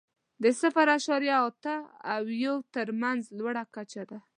د صفر اعشاریه اته او یو تر مینځ لوړه کچه ده.